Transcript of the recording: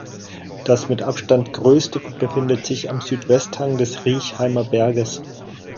Das mit Abstand größte befindet sich am Südwesthang des Riechheimer Berges.